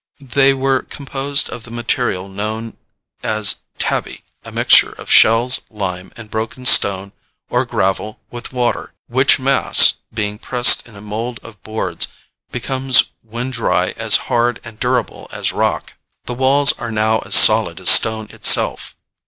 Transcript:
They were composed of the material known as "tabby," a mixture of shells, lime and broken stone or gravel with water; which mass, being pressed in a mould of boards, becomes when dry as hard and durable as rock. The walls are now as solid as stone itself.